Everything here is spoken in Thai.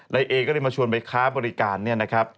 เอก็เลยมาชวนไปค้าบริการเนี่ยนะครับ